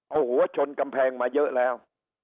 เอาหัวชนกำแพงมาเยอะแล้ว